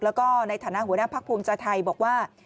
แล้วก็ในฐานะหัวหน้าภักดิ์ภูมิใจไทยบอกว่า